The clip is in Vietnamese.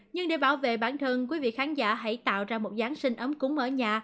nhưng để bảo vệ bản thân quý vị khán giả hãy tạo ra một giáng sinh ấm cúng ở nhà